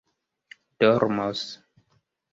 dormos